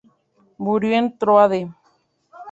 Murió en Tróade.